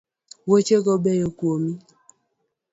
Wuoche go beyo kuomi